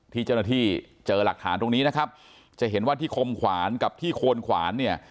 ที่เจ้าหน้าที่เจอหลักฐานตรงนี้นะครับจะเห็นว่าที่คมขวานกับที่โคนขวานเนี่ย